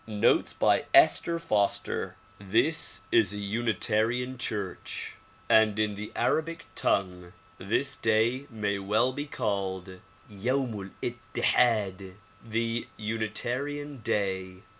Notes by Esther Foster THIS is a unitarian church, and in the Arabic tongue, this Day may well be called "Yauml'ittihad," the "Unitarian Day."